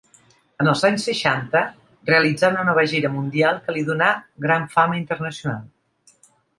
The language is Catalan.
En els anys seixanta, realitzà una nova gira mundial que li donà gran fama internacional.